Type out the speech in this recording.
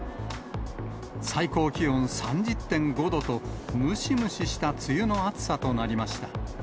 最高気温３０．５度と、ムシムシした梅雨の暑さとなりました。